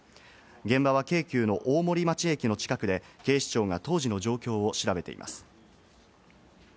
現場は京急の大森町駅の近くで警視庁が当時の状況を調べています。